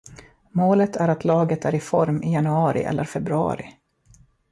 Målet är att laget är i form i januari eller februari.